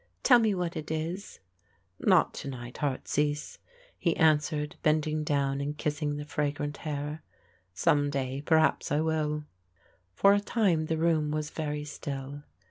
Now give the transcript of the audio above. "Tell me what it is." "Not to night, heartsease," he answered, bending down and kissing the fragrant hair. "Some day, perhaps, I will." For a time the room was very still.